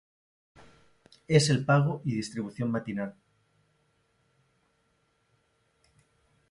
Es de pago y distribución matinal.